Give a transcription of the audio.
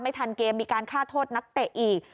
ทันเกมมีการฆ่าโทษนักเตะอีก